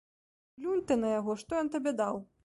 Плюнь ты на яго, што ён табе даў!